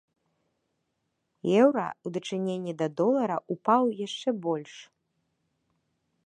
Еўра ў дачыненні да долара ўпаў яшчэ больш.